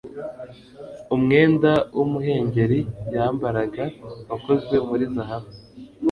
Umwenda wumuhengeri yambaraga wakozwe muri zahabu